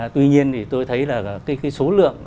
tuy nhiên thì tôi thấy là cái số lượng